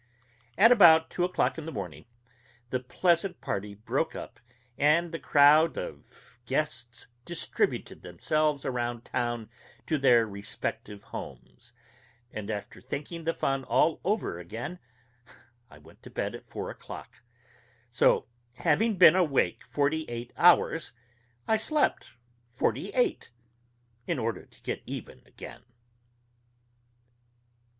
... At about two o'clock in the morning the pleasant party broke up and the crowd of guests distributed themselves around town to their respective homes; and after thinking the fun all over again, I went to bed at four o'clock. So having been awake forty eight hours, I slept forty eight, in order to get even again.